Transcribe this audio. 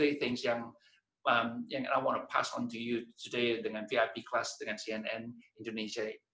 jadi inilah tiga hal yang ingin saya sampaikan kepada anda hari ini dengan vip class dengan cnn indonesia